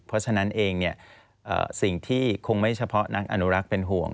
เพราะฉะนั้นเองสิ่งที่คงไม่เฉพาะนักอนุรักษ์เป็นห่วง